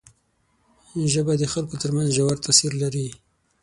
ژبه د خلکو تر منځ ژور تاثیر لري